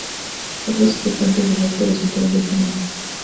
Otros ocupantes del auto resultaron lesionados.